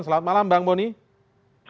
selamat malam bang bonnie